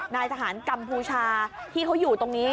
นายทหารกัมพูชาที่เขาอยู่ตรงนี้